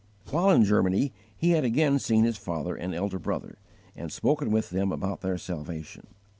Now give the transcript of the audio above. While in Germany he had again seen his father and elder brother, and spoken with them about their salvation.